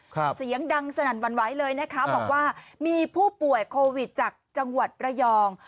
เสียงดังสนั่นหวั่นไหวเลยนะคะบอกว่ามีผู้ป่วยโควิดจากจังหวัดระยอง